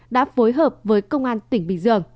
đã phối hợp với công an tỉnh bình dương